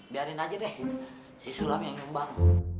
biarin aja deh si sulam yang nyumbang